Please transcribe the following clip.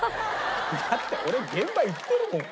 だって俺現場行ってるもん。